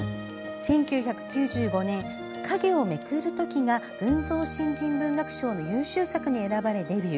１９９５年「影をめくるとき」が群像新人文学賞の優秀作に選ばれデビュー。